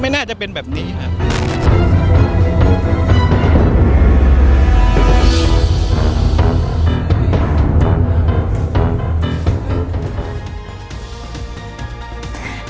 ไม่น่าจะเป็นแบบนี้ครับ